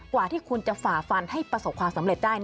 กว่าที่คุณจะฝ่าฟันให้ประสบความสำเร็จได้